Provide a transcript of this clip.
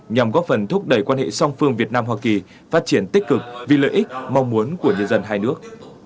nhằm góp phần thúc đẩy quan hệ song phương việt nam hoa kỳ phát triển tích cực vì lợi ích mong muốn của nhân dân hai nước